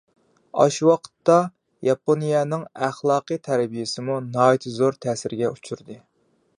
ئاشۇ ۋاقىتتا ياپونىيەنىڭ ئەخلاقىي تەربىيەسىمۇ ناھايىتى زور تەسىرگە ئۇچرىدى.